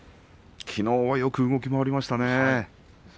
きのうはよく動き回りましたね。